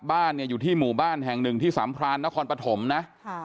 บ้านอยู่ที่หมู่บ้านแห่งหนึ่งที่สัมพลาณนครปฐมนะ